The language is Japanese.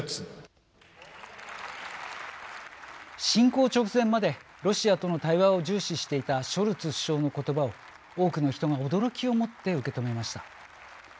侵攻直前までロシアとの対話を重視していたショルツ首相のことばを多くの人が驚きをもって受け止めました。